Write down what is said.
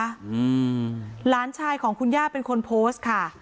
อืมหลานชายของคุณย่าเป็นคนโพสต์ค่ะ